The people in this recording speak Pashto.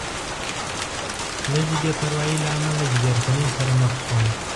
لږې بې پروایۍ له امله جیګرخونۍ سره مخ شوم.